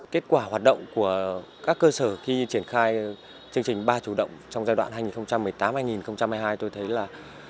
kết quả hoạt động của các cơ sở khi triển khai chương trình ba chủ động trong giai đoạn hai nghìn một mươi tám hai nghìn hai mươi hai tôi thấy là